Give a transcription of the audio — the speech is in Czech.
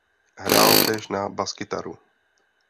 Hrál též na baskytaru.